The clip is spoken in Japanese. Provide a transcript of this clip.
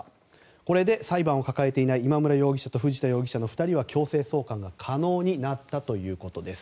これで裁判を抱えていない今村容疑者と藤田容疑者の２人は強制送還が可能になったということです。